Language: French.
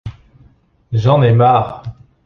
J'en ai marre.